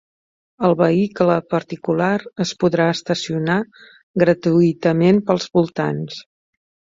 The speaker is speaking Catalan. El vehicle particular es podrà estacionar gratuïtament pels voltants.